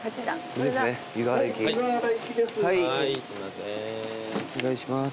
お願いします。